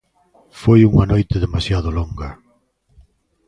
Foi unha noite demasiado longa.